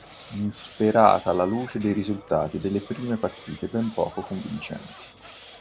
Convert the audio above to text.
Insperata alla luce dei risultati delle prime partite ben poco convincenti.